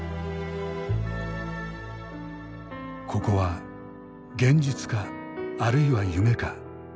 ここは現実かあるいは夢か。